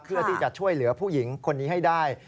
เพื่อที่จะช่วยเหลือผู้หญิงคนนี้ให้ได้